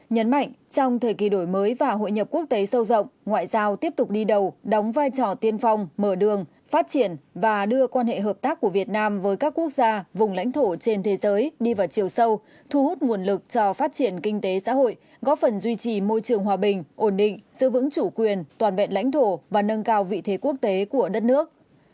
nhấn mạnh trong thời kỳ đổi mới và hội nhập quốc tế sâu rộng ngoại giao tiếp tục đi đầu đóng vai trò tiên phong mở đường phát triển và đưa quan hệ hợp tác của việt nam với các quốc gia vùng lãnh thổ trên thế giới đi vào chiều sâu thu hút nguồn lực cho phát triển kinh tế xã hội góp phần duy trì môi trường hòa bình ổn định giữ vững chủ quyền toàn vẹn lãnh thổ và nâng cao vị thế quốc tế của đất nước